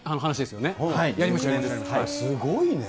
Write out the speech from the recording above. すごいね。